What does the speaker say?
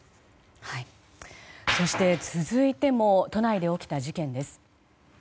そして続いても都内で起きた事件です。